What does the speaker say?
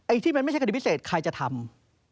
ที่มันไม่ใช่คดีพิเศษใครจะทำ